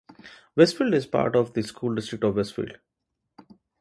Westfield is part of to the School District of Westfield.